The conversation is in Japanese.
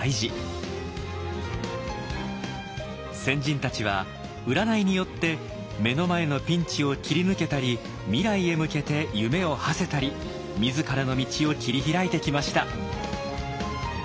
先人たちは占いによって目の前のピンチを切り抜けたり未来へ向けて夢をはせたり自らの道を切り開いてきました。